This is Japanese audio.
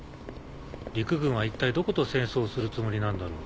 陸軍は一体どこと戦争をするつもりなんだろう。